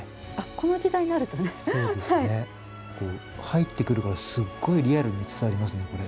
入ってくるからすっごいリアルに伝わりますねこれ。